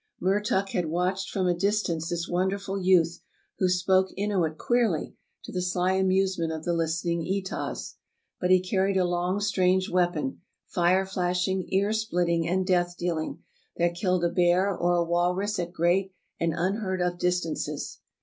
Mertuk had watched from a distance this wonderful youth, who spoke Inuit queerly, to the sly amusement of the listen ing Etahs. But he carried a long, strange weapon — fire flashing, ear splitting, and death dealing — that killed a bear or a walrus at great and unheard of dis tances.